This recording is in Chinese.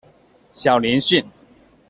小林旭。